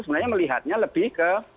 sebenarnya melihatnya lebih ke